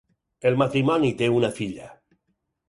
El matrimoni té una filla.